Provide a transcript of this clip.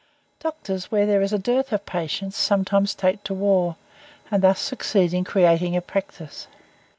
Doctors, when there is a dearth of patients, sometimes take to war, and thus succeed in creating a "practice."